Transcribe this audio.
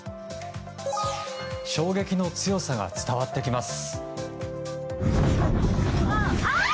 衝撃の強さが伝わってきます。